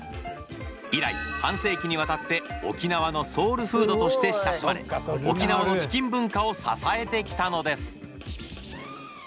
以来半世紀にわたって沖縄のソウルフードとして親しまれ沖縄のチキン文化を支えてきたのです。